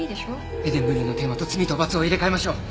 『エデンブルーのテーマ』と『罪と罰』を入れ替えましょう。